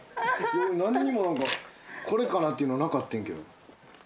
何にもこれかなっていうのなかってんけど。